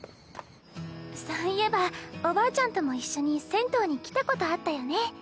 そういえばおばあちゃんとも一緒に銭湯に来たことあったよね。